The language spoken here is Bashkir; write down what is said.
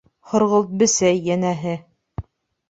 «Һорғолт бесәй», йәнәһе.